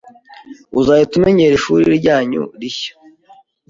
Uzahita umenyera ishuri ryanyu rishya.